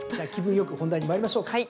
よく本題に参りましょうか。